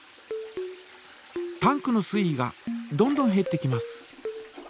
タンクの水位がどんどんへってきます。